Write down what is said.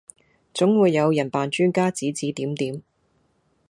總會有人扮專家指指點點